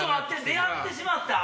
出合ってしまった？